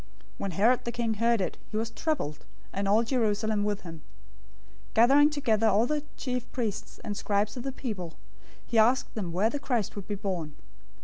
002:003 When Herod the king heard it, he was troubled, and all Jerusalem with him. 002:004 Gathering together all the chief priests and scribes of the people, he asked them where the Christ would be born.